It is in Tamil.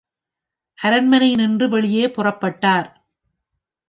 அரண்மனையினின்று வெளியே புறப்பட்டார்.